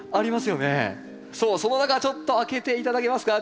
そうその中ちょっと開けて頂けますか？